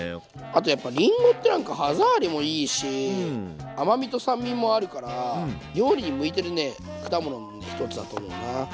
あとやっぱりんごってなんか歯触りもいいし甘みと酸味もあるから料理に向いてるね果物の一つだと思うな。